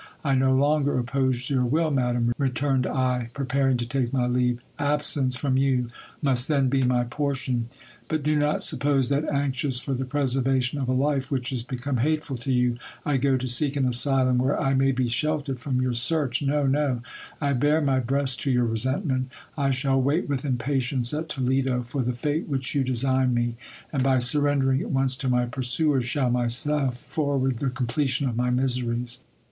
I no longer | oppose your will, madam, returned I, preparing to take my leave : absence i from you must then be my portion : but do not suppose that, anxious for the j THE HERMITS ADVICE TO DON AIPHONSO. 165 preservation of a life which is become hateful to ycu, I go to seek an asylum where I may be sheltered from your search. No, no, I bare my breast to your I resentment. I shall wait with impatience at Toledo for the fate which you de sign me ; and by surrendering at once to my pursuers, shall myself forward the completion of my miseries.